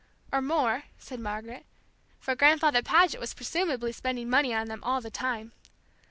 "Or more," said Margaret, "for Grandfather Paget was presumably spending money on them all the time."